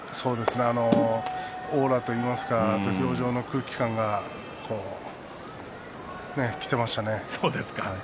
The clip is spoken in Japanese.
オーラといいますか独特の空気感がきていましたね。